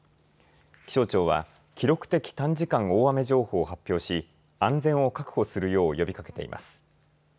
気象庁は記録的短時間大雨情報を発表し安全を確保するよう呼びかけています。